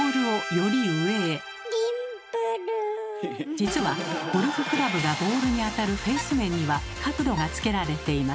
実はゴルフクラブがボールに当たるフェース面には角度がつけられています。